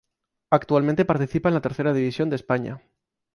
Actualmente participa en la Tercera División de España.